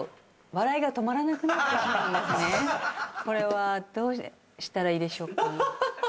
これはどうしたらいいでしょうか？